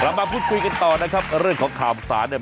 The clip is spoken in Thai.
มาพูดคุยกันต่อนะครับเรื่องของข่าวสารเนี่ย